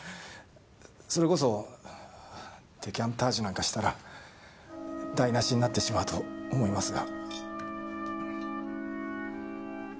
それこそデカンタージュなんかしたら台無しになってしまうと思いますが。